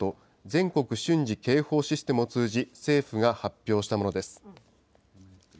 ・全国瞬時警報システムを通じ、政府が発表したものです。